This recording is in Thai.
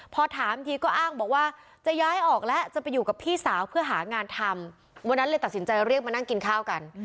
พอถามทีก็อ้างบอกว่าจะย้ายออกแล้วจะไปอยู่กับพี่สาวเพื่อหางานทำวันนั้นเลยตัดสินใจเรียกมานั่งกินข้าวกัน